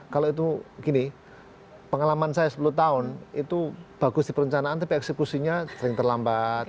kalau itu gini pengalaman saya sepuluh tahun itu bagus di perencanaan tapi eksekusinya sering terlambat